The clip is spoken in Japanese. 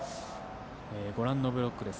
ご覧のブロックです。